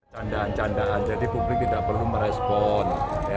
candaan candaan jadi publik tidak perlu merespon